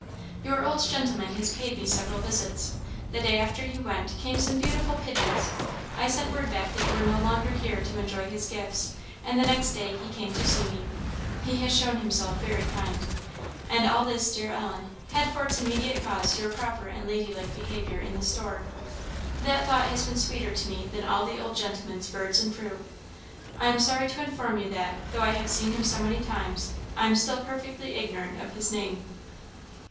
"Your old gentleman has paid me several visits. The day after you went, came some beautiful pigeons. I sent word back that you were no longer here to enjoy his gifts, and the next day he came to see me. He has shown himself very kind. And all this, dear Ellen, had for its immediate cause your proper and ladylike behaviour in the store. That thought has been sweeter to me than all the old gentleman's birds and fruit. I am sorry to inform you that, though I have seen him so many times, I am still perfectly ignorant of his name.